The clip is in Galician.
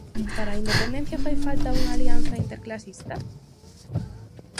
Para a independencia fai falta unha alianza interclasista?